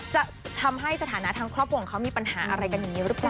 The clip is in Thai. จะทำให้สถานะทางครอบครัวของเขามีปัญหาอะไรกันอย่างนี้หรือเปล่า